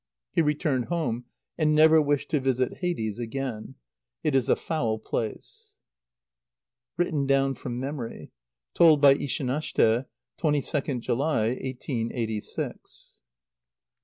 He returned home, and never wished to visit Hades again. It is a foul place. (Written down from memory. Told by Ishanashte, 22nd July, 1886.) xxxvii.